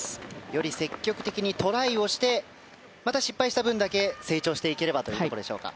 より積極的にトライをしてまた失敗した分だけ成長していければというところでしょうか。